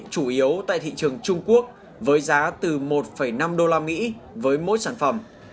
chủ yếu tại thị trường trung quốc với giá từ một năm đô la mỹ với mỗi sản phẩm